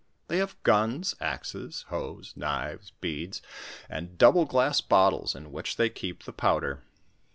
They have gnus, axes, hoes, knives, beads, and double glass bottles in which they keep the powder.